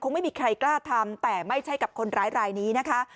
ไม่มีใครกล้าทำแต่ไม่ใช่กับคนร้ายรายนี้นะคะ